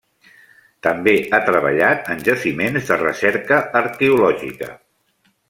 També ha treballat en jaciments de recerca arqueològica.